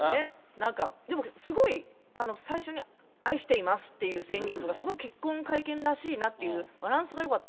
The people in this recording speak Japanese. なんか、でもすごい、最初に、愛していますっていう宣言とか、すごい結婚会見らしいなっていうバランスがよかった。